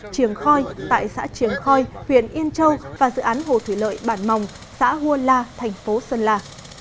trường khoi tại xã triềng khoi huyện yên châu và dự án hồ thủy lợi bản mòng xã huôn la thành phố sơn la